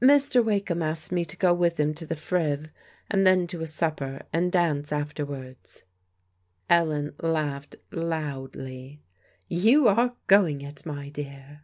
Mr. Wakeham asked me to go with him to the Friv, and then to a supper, and dance afterwards." Ellen laughed loudly. " You are going it, my dear."